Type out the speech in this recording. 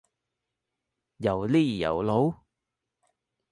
又呢又路？